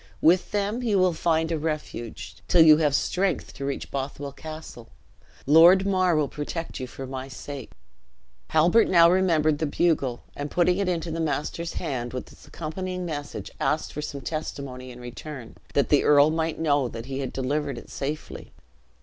With them you will find a refuge, till you have strength to reach Bothwell Castle. Lord Mar will protect you for my sake." Halbert now remembered the bugle, and putting it into the master's hand, with its accompanying message, asked for some testimony in return, that the earl might know that he had delivered it safely.